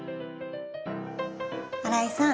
新井さん